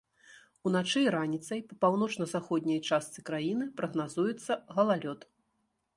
Уначы і раніцай па паўночна-заходняй частцы краіны прагназуецца галалёд.